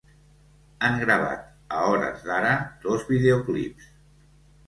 Han gravat, a hores d'ara, dos videoclips.